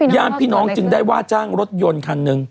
ญาติพี่น้องจึงได้ว่าจ้างรถยนต์คันหนึ่ง